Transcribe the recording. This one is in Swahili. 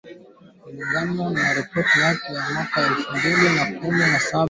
kulingana na ripoti ya mwaka elfu mbili na kumi na saba ya kundi la kimazingira